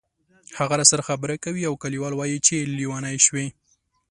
هغه راسره خبرې کوي او کلیوال وایي چې لیونی شوې.